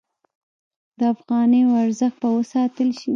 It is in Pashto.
د افغانیو ارزښت به وساتل شي؟